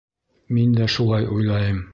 Мин дә шулай уйлайым